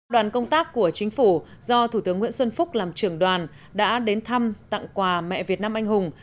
đoàn công tác của chính phủ do thủ tướng nguyễn xuân phúc làm trưởng đoàn đã đến thăm tặng quà mẹ việt nam anh hùng